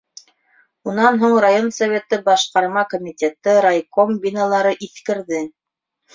Унан һуң район советы башҡарма комитеты, райком биналары иҫкерҙе.